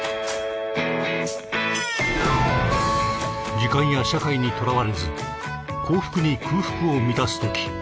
時間や社会にとらわれず幸福に空腹を満たすとき